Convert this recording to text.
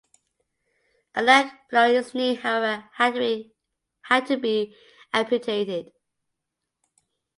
A leg below his knee however had to be amputated.